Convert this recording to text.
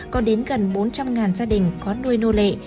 có đến gần bốn trăm linh gia đình có nuôi nô lệ